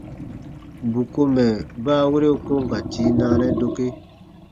Bù ko mɛ̀ baawere u ko n ka tii naanɛ dokee.